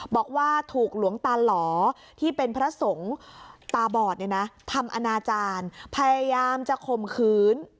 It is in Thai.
บอกว่าถูกหลวงตาหล่อที่เป็นพระสงฆ์ตาบอดเนี่ยนะทำอนาจารย์พยายามจะข่มขืน